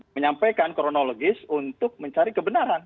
menyampaikan kronologis untuk mencari kebenaran